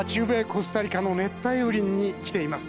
コスタリカの熱帯雨林に来ています。